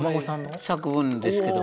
これ作文ですけど。